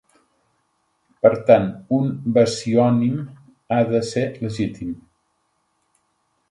Per tant, un basiònim ha de ser legítim.